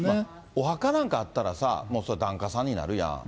お墓なんかあったらさ、檀家さんになるやん。